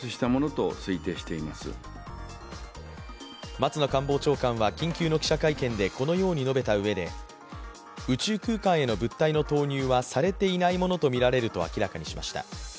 松野官房長官は緊急の記者会見でこのように述べたうえで宇宙空間への物体の投入はされていないものと見られると明らかにしました。